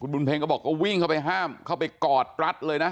บุญเพ็งก็บอกก็วิ่งเข้าไปห้ามเข้าไปกอดรัดเลยนะ